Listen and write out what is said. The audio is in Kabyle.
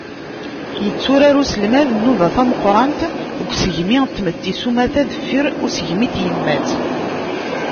Yetturar uselmad nnuba tameqqṛant deg usegmi n tmetti s umata deffir n usegmi n tyemmat.